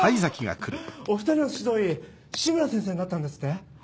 お２人の指導医志村先生になったんですって？